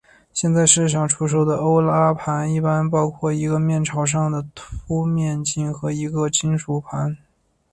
现在市场上出售的欧拉盘一般包括一个面朝上的凹面镜和一个金属盘。